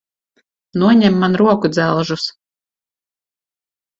Noņem man rokudzelžus!